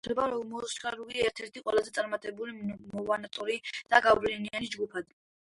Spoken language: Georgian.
ლედ ზეპელინი ითვლება როკ-მუსიკის ერთ-ერთ ყველაზე წარმატებულ, ნოვატორულ და გავლენიან ჯგუფად.